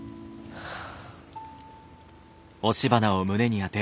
はあ。